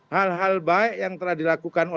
hal hal baik yang telah dilakukan